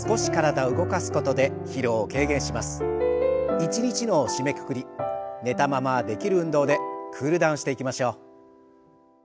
一日の締めくくり寝たままできる運動でクールダウンしていきましょう。